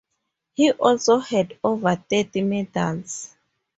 He also had over thirty medals.